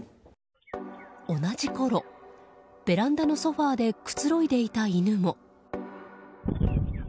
同じころ、ベランダのソファでくつろいでいた犬も。